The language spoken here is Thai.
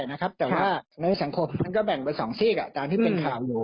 แต่ว่าในสังคมมันก็แบ่งเป็น๒ซีกตามที่เป็นข่าวอยู่